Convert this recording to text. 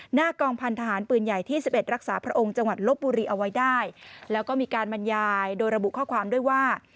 หน้ากองพันธหารปืนใหญ่ที่๑๑รักษาพระองค์จังหวัดลบบุรีเอาไว้ได้แล้วก็มีการบรรยายโดยระบุข้อความด้วยว่า